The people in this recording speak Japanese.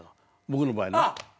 僕の場合ね。